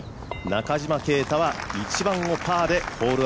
中島啓太は１番をパー。